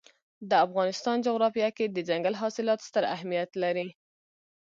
د افغانستان جغرافیه کې دځنګل حاصلات ستر اهمیت لري.